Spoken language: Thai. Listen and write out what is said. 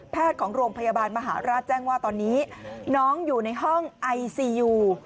ของโรงพยาบาลมหาราชแจ้งว่าตอนนี้น้องอยู่ในห้องไอซียู